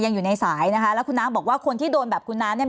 อยู่ในสายนะคะแล้วคุณน้ำบอกว่าคนที่โดนแบบคุณน้าเนี่ย